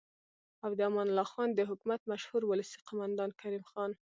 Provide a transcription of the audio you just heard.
او د امان الله خان د حکومت مشهور ولسي قوماندان کریم خان